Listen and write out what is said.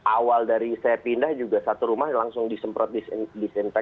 awal dari saya pindah juga satu rumah langsung disemprot disinfektan